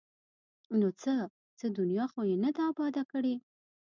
ـ نو څه؟ څه دنیا خو یې نه ده اباده کړې!